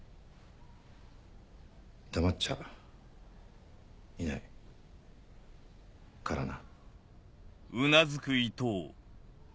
黙っちゃいないからな。